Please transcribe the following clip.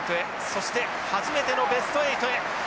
そして初めてのベスト８へ。